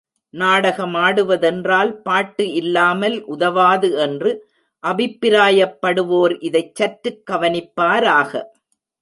நாடகமாடுவதென்றால் பாட்டு இல்லாமல் உதவாது என்று அபிப்பிராயப்படுவோர் இதைச் சற்றுக் கவனிப்பாராக.